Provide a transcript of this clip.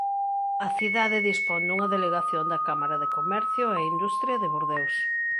A cidade dispón dunha delegación da Cámara de comercio e industria de Bordeos.